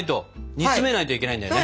煮つめないといけないんだよね。